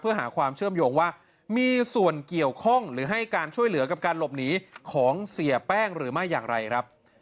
เพื่อหาความเชื่อมโยงว่ามีส่วนเกี่ยวข้องหรือให้การช่วยเหลือกับการหลบหนีของเสียแป้งหรือไม่อย่างไรครับ